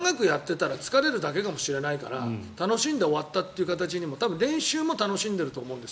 だからつまりさっきの練習時間も含めて長くやっていたら疲れるだけかもしれないから楽しんで終わったという形も練習も楽しんでいると思うんです。